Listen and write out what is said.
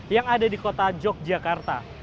yang ada di kota yogyakarta